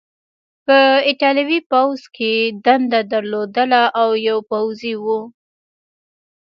په ایټالوي پوځ کې یې دنده درلودله او یو پوځي و.